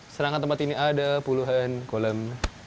serangan tempat ini ada puluhan kolam